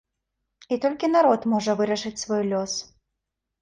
І толькі народ можа вырашыць свой лёс.